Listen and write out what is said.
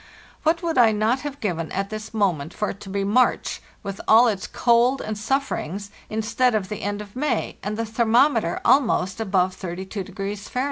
What would I not have given at this moment for it to be March, with all its cold and sufferings, instead of the end of May, and the thermometer almost above 32° Fahr.?